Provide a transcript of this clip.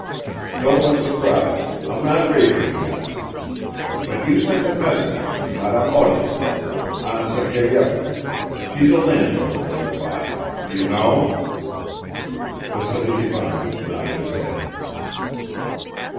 Don't look surprised, I'm not raving yet. But you send a messenger to Madame Odintsov, Anna Sergeyevna, she's a landowner near by do you know?" (Vassily Ivanovich nodded his head.)